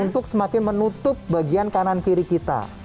untuk semakin menutup bagian kanan kiri kita